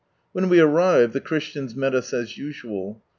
When we arrived, the Christians met us as usual.